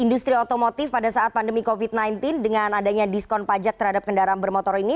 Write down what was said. industri otomotif pada saat pandemi covid sembilan belas dengan adanya diskon pajak terhadap kendaraan bermotor ini